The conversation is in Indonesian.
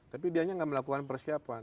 tapi dia enggak melakukan persiapan